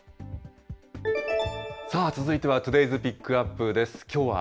さあ、続いてはトゥデイズ・ピックアップです。